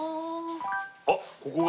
あっここが。